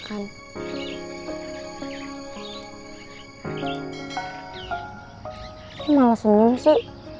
kamu males ngeri sih